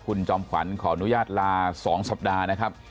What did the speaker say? คุณจอมขวัญขออนุญาตลา๒สัปดาห์นะครับ